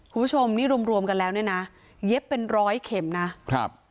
คุณผู้ชมนี่รวมรวมกันแล้วเนี่ยนะเย็บเป็นร้อยเข็มนะครับ